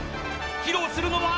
［披露するのは］